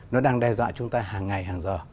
nó đang đe dọa chúng ta hàng ngày hàng giờ